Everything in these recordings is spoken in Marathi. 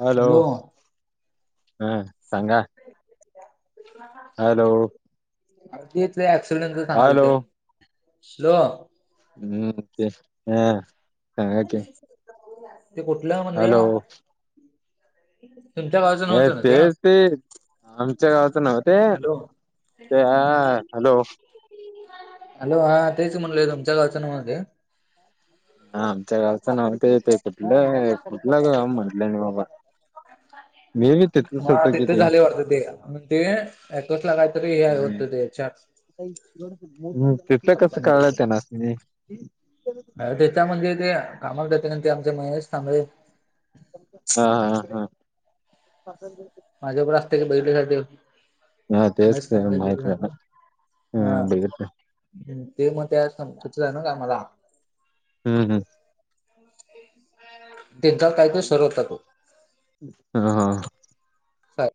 हॅलो, ह सांगा. हॅलो अग तेचं ऍक्सिडेंनच सांगाल ते हॅलो हॅलो. हम् तेच हां. ते कुठलं हॅलो म्हणल. तुमच्या बाजून हे होत न ते, तेच ते आमच्या गावात नव्हते, हॅलो ते हां हॅलो. हॅलो, हा तेच म्हणलोय तुमच्या गावचं नव्ह ते. हा आमच्या गावचं नाव ते, य ते कुठलं कुठलं गाव म्हटलं ना बाबा. मी, तिथलंच हं होतो कि तिथे ते झाले वाटत ते, ते टोस्टला चहा काय तरी हे वाटतं चहाचं. हम्म, तिथं कस कळाल तेनासणी. त्याच्या म्हणजे ते कामाला जाते, ते आमचे महेश कांबळे. हा हा हा. माझ्याकडे असते की बघितल्यासाठी हा, तेच महेश ते तांबळे माहित नाही ना. हा बघितले. ते मग त्या सं खचलं ना का मला हम् हम्. एकदा काय ते सर्वच दाखव. हम हा साय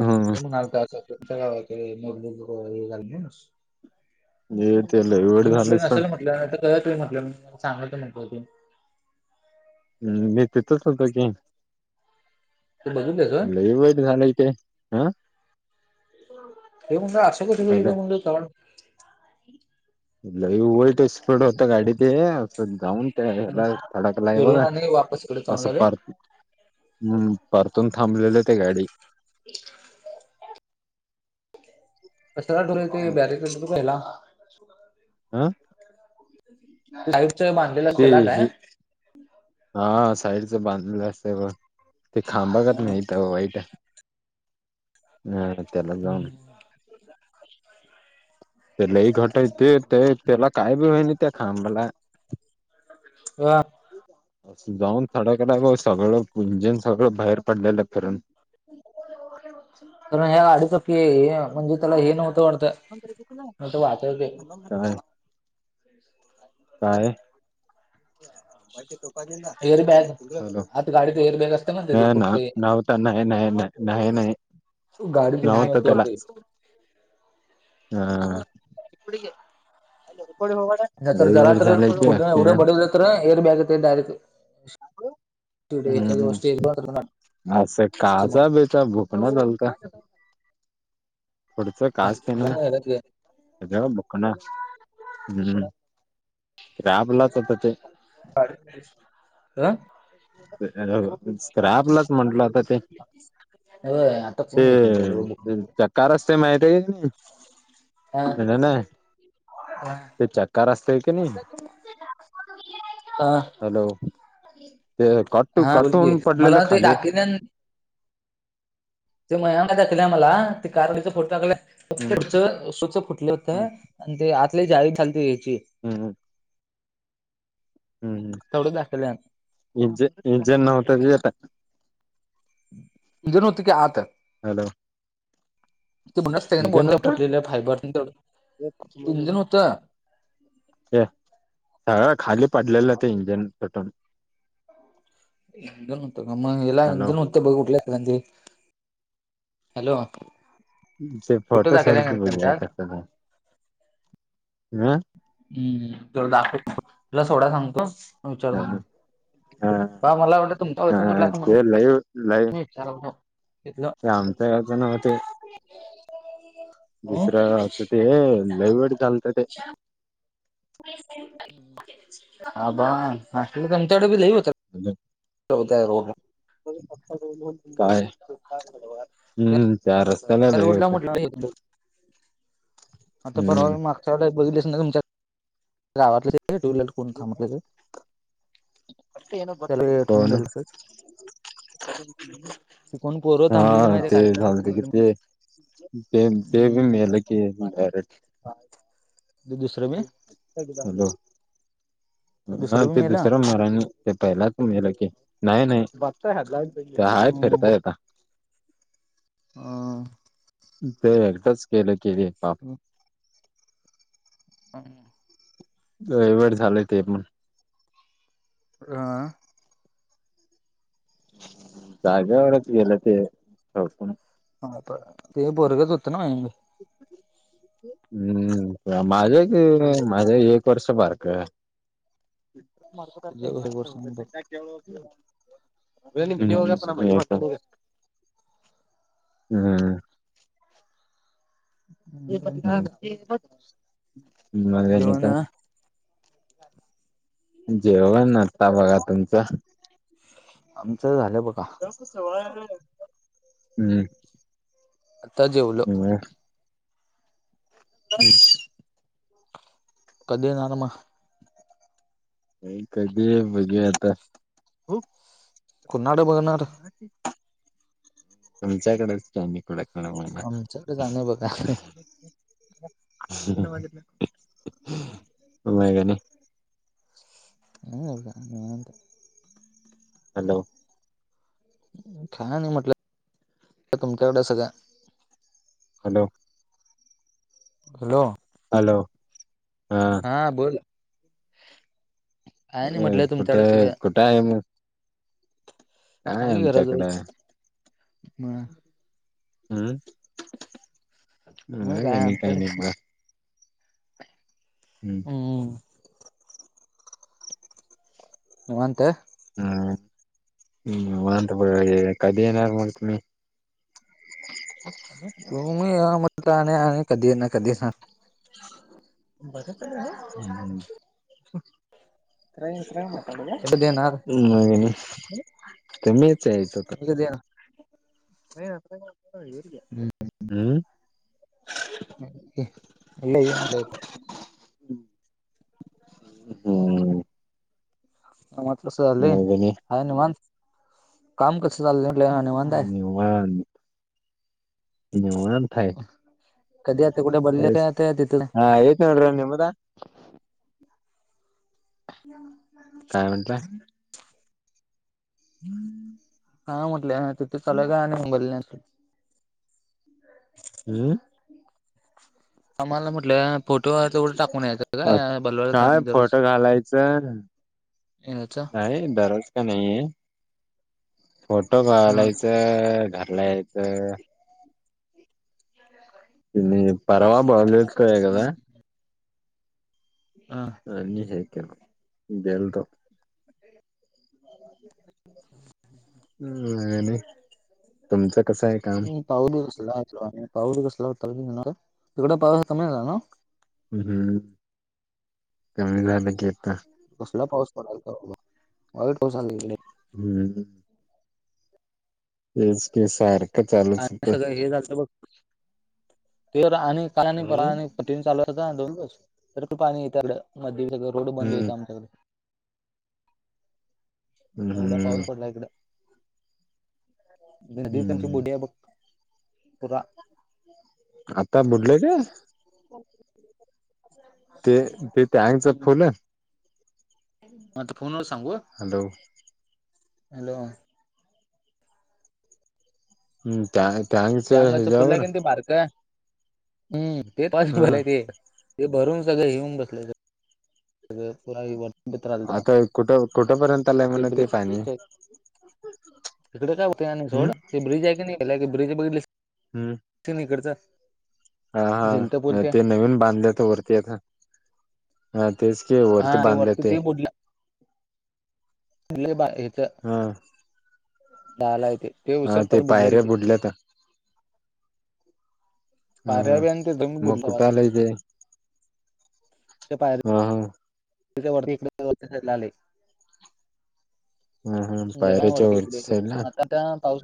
हम्म ते म्हणालता. [unintelligible] जग मली हे घा हे ते लय वेळ मी झालंय म्हटलं सोड नसल म्हटलं आता करा तुम्ही म्हटलं चांगलं कर म्हटलं ते. हम् मी तिथच होत की ते बघितलंस होय? लय वाईट ते झालं इथे हा. हे म्हटलं अक्षय कुठे हॅलो गेलं म्हटलं. [unintelligible] लई वईट स्पड होत गाडी ते अस जाऊन ते ह्याला थडकला आहे बघा कसं कडे असं चांगले रे? पार हम्म परतून थांबलेले ते गाडी [unintelligible] [unintelligible] ते बॅगेत असतो पहिला. ह लाईटच मान ते हे हा साईडच बांधलं असतंय बघ ते खांबाकत नाहीत वाईट बर त्याला जाऊन दे. तेलाही घटायचे ते त्याला काय बी होहिन त्या खांबाला ह असं जाऊन थडाकला ग सगळं गुंजन सगळं बाहेर पडलेलं फिरून [unintelligible] की म्हणजे त्याला हे नव्हतं वाटत मग ते वाचलं ते काय काय हे? एअर बॅग आत गाडीत एअर बॅग असतं [unintelligible] हे त्याचं ना पुढचं नावता नाय, नाय, नाय नाही, नाही गाडी जुनी नव्हत होती त्याला वाटतं. ह नाही तर जरा तर पुढ एवढं बडवलं तर एअर बॅग डायरेक्ट हम्म याच्या जवळ स्टेज वर हम्म असे समोर काचा बेचा भूक कोणाला झालता? [unintelligible] ते आपला पण काय ह स्क्राप ला म्हटल आता ते होय आता ते कोण येतील तर [unintelligible] का रस्ते माहित हे हां. हनन [unintelligible] ते चक्कार असते की नाही हॅलो [inaudible] ते कट हा बोल की कटून पडलेलं मला ते खाली दाखिल्यान ते मयांक ने दाखविले मला ते कारडीचा फोटो टाकलं [unintelligible] हम्म फुटलं होतं. हम्म आणि ते आतले जाळी खालती घेतली हम्म हम्म. हम्म हम्म. तेवढं दाखवल्या इज्ज इज्ज नव्हतं की आता. इंजिन होतं की आत. हॅलो. ते ब इंजन बोंड होतं फुटलेल्या फायबर तेवढं इंजन होतं. ते सगळं खाली पडलेलं ते इंजिन तुटून. इंजन होत का मग हेला हॅलो इंजन होत बघ कुठलं [unintelligible] हॅलो. ते फोटो सोड दाखवल्या की नंतर मग त्यात एक. अं? हम्म तर दाखव की तुला सोडाय सांगतो‌. विचार म्हणुन. काल मला म्हंटला तुमचा [unintelligible] पण लई नाही. त्याला उठवं. इथंल सांगतय अजून होते. दुसरं असं ते लई वाईट चालतं ते. आबा असलं लई घंताड बी लई हो ठेवताय भाऊ मग. काय? हम्म. त्या रस्त्याला लई रोडला येत्यात म्हटलं हम्म. [unintelligible] बघितल्यास ना तुमच्यात? गावातले ते [unintelligible] कोण थांबतय र. कोणं गेलं असंच ती कोण पोरं थांबलेली हा माहिती ते गाडीला झालंत ठोकून गेली म्हणून किती ते ते ते बी हम्म नेलं की घरीच. ते दुसरं बी हॅलो. हा दुसरं बी ते मेलं दुसरा महारानी ते पहिलाच नेलं की. नाही नाही काय फिरतय आता. हा. ते एकदाच केलं की रे पाप. हम्म. रविवारी झालंय ते पण. आ? जाग्यावरच गेलं ते तडपुन. आता ते पोरगच होतं ना माझ्यासंग. हम्म माझे की माझ्या एक वर्ष बारकं तुझ्या बरोबर सांग बघ [unintelligible] काय [unintelligible] हं. कसं मग आणि जेवण काय? जेवण आता बघा. तुमचं? आमचं झालंय बघा. हम्म. आता जेवलो मग [unintelligible] कधी येणार मग? नाही कधी हाय बघुया आता. कुणाकडं बघणार? तुमच्या इकडंच की आमच्याकडे जाणे बघा [unintelligible] [unintelligible] मग आणि? [unintelligible] निवांत आहे. हॅलो. काय नाही म्हटलं, तुमच्याकड सगळ. Hello hello. हॅलो हा. हां बोल काय नाही अ म्हटलं कुठे तुमच्याकडे सगळं कुठे आहे मग? काय आहे, आमच्याकड मग हम्म? मग ह काय आमच्याकडे गनतायनीबा. हम्म निवांत आहे? हम्म निवांत बघ ए, कधी येणार मग तुम्ही? [inaudible] [inaudible] [unintelligible] कधी ना कधी सांग. बदक आलय हो [unintelligible] कधी येणार ते मीच आहे तर का. कधी येणार हम्म. [unintelligible] हम् मातसतली हय मगनी निम हाय निवांत काम कसं चाललंय हा निवांत आहे? वांत निवांत. आहे कधी आता कुठे बोलले काय आता तिथल [unintelligible] नेमदा. [inaudible] काय म्हटलंय? [inaudible] हा म्हणले हा तिथ चला गाणे उंबतले असतील हम्म आम्हाला म्हटलं फोटो ते एवढं टाकून यायचं का काय बलवलनी दररोज. फोटो घालायचं याचा नाही दररोज. का नाही, फोटो हा घालायचं घरला यायचं. त परावा बवलेेत काय कदा. हा. लई हे केलो, गेलतो. नाही नाही तुमचं कस आहे? काम ह पाऊडी कसला वा पाऊडी कसला वाटत तिकड पाऊसा कमीला ना. हम् कमी झालं घता. कसला पाऊस पडाल का, तला वाईट पाऊसडे. हम्म तेच की सार आणि सळ हे जात बघ, ते आणि का आणि प हम्म. आणि कठी चालू होता दोन दिवस तर पाणी येत मध्ये सगळ रोड बंद होतं हम्म आमच्याकडे. एवढा हम्म पाऊस पडला इकडं गी तमची हम्म बोडी आहे बघ पुरा आता बुडले रे? चालतंय ते ते त्यांचं फुल आहे. म ते फोन वर सांगू? हॅलो! हॅलो. हम्म, त्यागच हच्यावर? रे बारक ते हा पॉसिबल आहे ते ते भरून सगळ येऊन बस सग [unintelligible] पण आता कुठं कुठंपर्यंत आलाय म्हण ते पाणी? तिकडे काय होते हम्म सोड ते ब्रिज आहे की नाही गला ब्रिज बघितलस हम्म ते नाही करतात. हा हा ते नवीन बांधलेत वरती आता हा तेच. हे, वरती बांधले ते लई बा इथं हा. दहाला येते तेे ते हा उशीर तवा बुडलेलं पायऱ्या ते. बुडल्यात [inaudible] हा हा, बी आणि ते जमीन मग बुडलं वाच कुटला इे हा हा. च्या वती इडे आले. ह ह जग पायऱ्याच्या वाढते, वरच्या साईडला आता त्या पाऊस.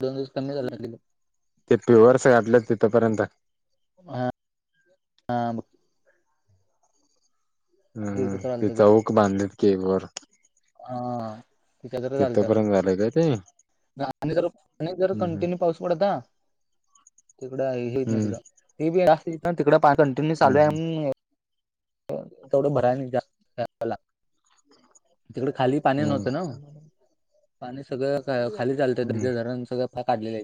दोन दिवस कमी झाला ला. ते प्युअरस आहे आपल्या तिथंपर्यंत हा. हा म. हम्म, ध्रुपत्र आलत ते चौक बांधलेत केक वर. हा. तिच्या जर चालत तिथपर्यंत झालंय का ते? आणि जर पा जर हम्म कंटिन्यू पाऊस पडता. तिकड आहे, हेेत नाही हम्म सुद्धा हे बी जा तिकड पा कंटिन्यू चालू हम्म आहे तेवढं भराय, जा तिकडे खाली. पाणी हम्म नव्हतं ना, पाणी सगळं खाली चालतं हम्म त रण सगळं काढला आहे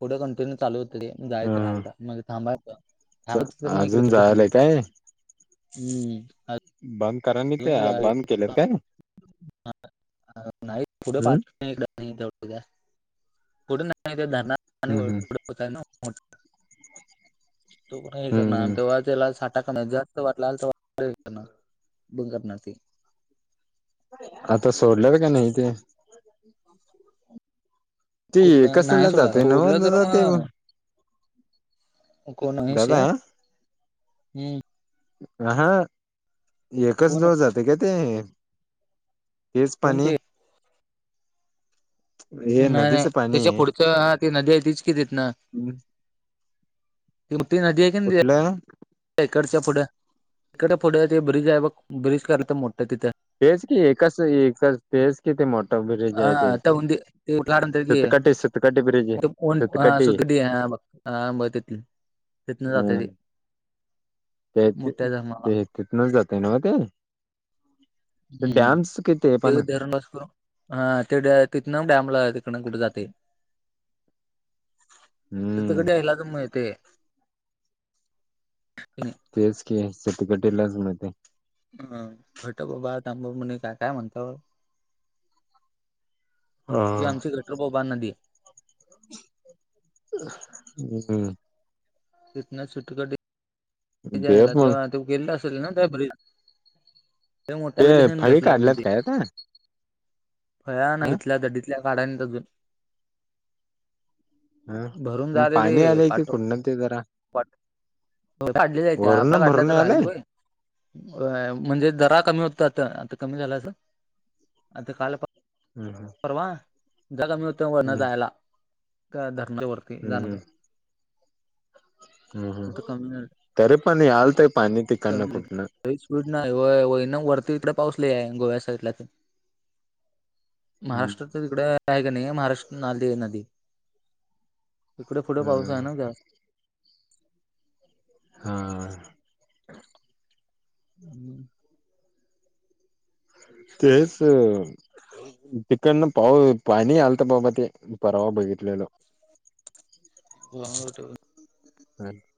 पुढं कंटिन्यू चालू होत ते जाच राहालता म थांबायं. च अजून जायलाय काय. हम्म आज बंद करानी, ते बंद केलेत काय ना? [unintelligible] धणारळ हम्म पाणी होईल पुढ. होत नाठ हम्म हम्म तो, प हे करणार हम्म तेव्हा त्याला साठा कण्याचा. [unintelligible] बंगप नाती. आता सोडल्यात, का नाही ते? ते कुठलं नाही कसला सोडा जातय सोडलं नवा तर जाते मग. कोण, स दादा हम्म ह हा एकच कोण दिवस जातंय काय ते? तेच, कोण पाणी ते हे नाही नाही नदीचं पाणी त्याच्या पुढचं ती नदी आहे तीच कि तिथन [unintelligible] कुठलं? इकडच्या पुढे इकड पुढे ते ब्रिज आहे बघ ब्रिज करत मोठं तिथ. तेच की कसं हे तर. तेच, किती मोठं ब्रिज आहे हा ते त्या उंदी ते सतकाटी सतकाटी ब्रिज. सतकाटे सुधघ ब, तिथ तिथन जात हम्म त ते ते ते, तिथूनच जातय ना म ते? म्स किती आहे पण तिवणाजपूर हा, ते ड तिथे डॅम लाग तडे कुठे जाते? तिथक हम्म द्यायला क मिळतंय. तेच क शत कटलाच मिळतं नई. अ घटबाबा तांबा म्हणे का काय म्हणतं? हा ही आमची घटप्रभा नदी. [unintelligible] तना सुट्टी [unintelligible] ते पण तेव्हा तो गेलेला असेल ना त्या ब्रिज मोठ्या ते फळी बसलो काढलात काय आता? कड्या ना ह इथल्या दडीतल्या काढानीयत अजून हा भरून म पाणी आलंय की कुंण ते जरा. [unintelligible] होय काढल्या जाई त्या आता वरण काढलं भरून तर राहील आलंय होय. व्हय म्हणजे दरा कमी होतो आता आता कमी झाला असं आता काल पा हम्म हम्म. परवा जगा मिळतोय वनं जायला का [unintelligible] वरती हम्म जाणं होतं. हम्म हम्म आता हम्म कमी तरी पण याल ते पाणी तिकडनं कमी कुठनं. लई स्पीडनं हाय हो, [unintelligible] मराठी तिकडं पाऊस लय हाय गोव्याच्या साईडला. हम्म महाराष्ट्राच तिकड आहे का ना, ही महाराष्ट्रात नाली आहे नदी. तिकडं फुडे पाऊस हा हाय ना जास् हां. हम्म. तेच तिकडनं पाऊ पाणी आलतं बाबा ते परवा बघितलेला. [unintelligible] [unintelligible]